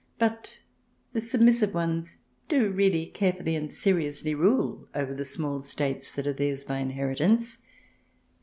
But the submissive ones do really carefully and seriously rule over the small States that are theirs by inheritance.